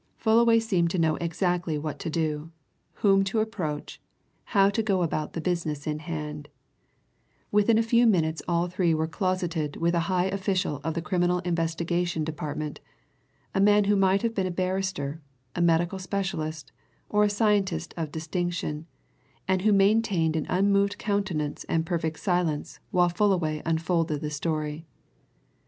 Fullaway seemed to know exactly what to do, whom to approach, how to go about the business in hand; within a few minutes all three were closeted with a high official of the Criminal Investigation Department, a man who might have been a barrister, a medical specialist, or a scientist of distinction, and who maintained an unmoved countenance and a perfect silence while Fullaway unfolded the story.